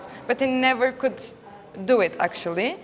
tapi sebenarnya dia tidak bisa melakukannya